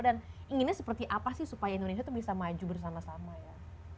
dan inginnya seperti apa sih supaya indonesia itu bisa maju bersama sama ya